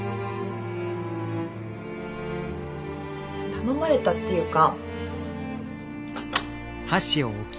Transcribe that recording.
頼まれたっていうか。